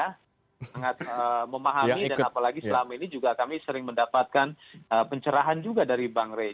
sangat memahami dan apalagi selama ini juga kami sering mendapatkan pencerahan juga dari bang rey